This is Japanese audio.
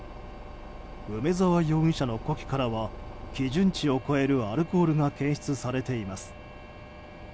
梅沢容疑者の呼気からは基準値を超えるアルコールが検出されています。